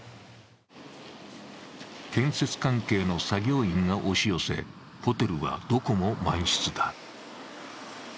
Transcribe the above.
建設関係の作業員が押し寄せ、ホテルはどこも満室だ。